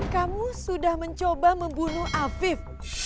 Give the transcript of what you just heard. kamu sudah mencoba membunuh afif